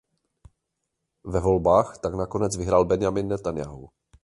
Ve volbách tak nakonec vyhrál Benjamin Netanjahu.